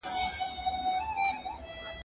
د وحشیانو په ټولنه کي جنس